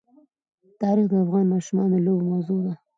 تاریخ د افغان ماشومانو د لوبو موضوع ده.